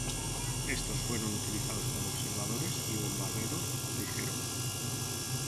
Estos fueron utilizados como observadores y bombarderos ligero.